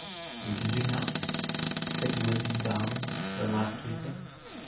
"We can do nothing," said William Darling, the light keeper.